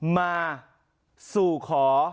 มาสู่ขอ